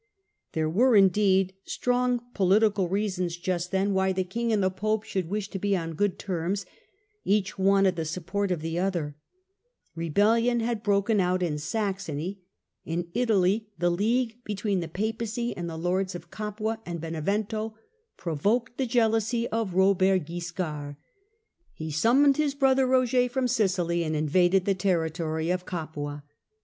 There were indeed strong political reasons just then Digitized by VjOOQIC 96 IllLDEBRAND why the king and the pope should wish to be on good terms ; each wanted the support of the other. Rebellion Robert had broken out in Saxony. In Italy the league aggressions between the papacy and the lords of Gapua and Benevento provoked the jealousy of Robert Wiscard. He summoned his brother Roger from Sicily, and in vaded the territory of Capua.